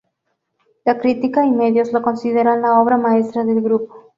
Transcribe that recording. La crítica y medios lo consideran la obra maestra del grupo.